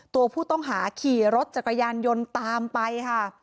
ตัวผู้ต้องหาขี่รถจักรยานยนต์ตามไปค่ะ